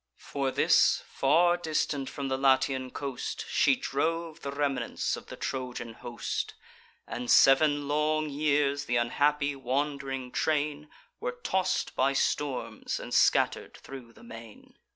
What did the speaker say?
For this, far distant from the Latian coast She drove the remnants of the Trojan host; And sev'n long years th' unhappy wand'ring train Were toss'd by storms, and scatter'd thro' the main.